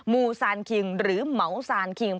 ูซานคิงหรือเหมาซานคิง